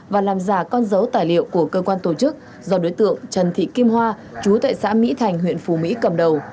và làm giả con dấu tài liệu của cơ quan tổ chức do đối tượng trần thị kim hoa chú tại xã mỹ thành huyện phù mỹ cầm đầu